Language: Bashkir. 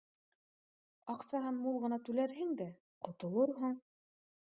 Аҡсаһын мул ғына түләрһең дә, ҡотолорһоң